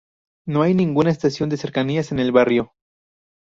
No hay ninguna estación de cercanías en el barrio.